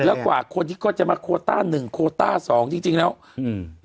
แล้วกว่าคนที่ก็จะมาโคต้าหนึ่งโคต้าสองจริงจริงแล้วอืม